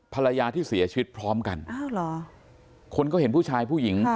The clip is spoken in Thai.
ภรรยาที่เสียชีวิตพร้อมกันคนก็เห็นผู้ชายผู้หญิง